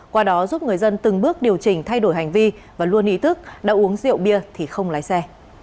qua đó giúp người dân từng bước điều chỉnh thay đổi hành vi và luôn ý thức đã uống rượu bia thì không lái xe